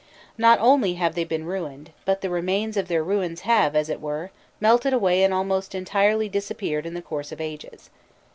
Not only have they been ruined, but the remains of their ruins have, as it were, melted away and almost entirely disappeared in the course of ages.